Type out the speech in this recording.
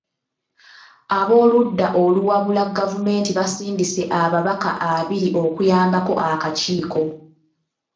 Abooludda oluwabula gavumenti basindise ababaka abiri okuyambako akakiiko.